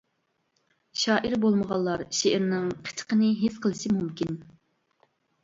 شائىر بولمىغانلار شېئىرنىڭ قىچىقىنى ھېس قىلىشى مۇمكىن.